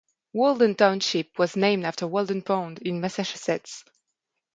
Walden Township was named after Walden Pond, in Massachusetts.